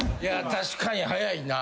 確かに早いな。